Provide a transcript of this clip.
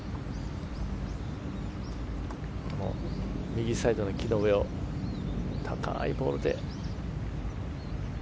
右サイドの木の上を高いボールで。